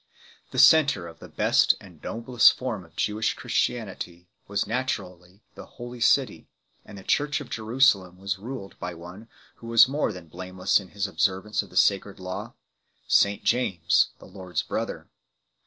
3. The centre of the best and noblest form of Jewish Christianity was naturally the Holy City; and the Church of Jerusalem was ruled by one who was more than blame less in his observance of the sacred law, St James the Lord s brother.